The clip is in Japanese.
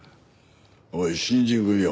おい新人くんよ。